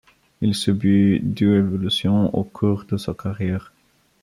Il subit deux évolutions au cours de sa carrière.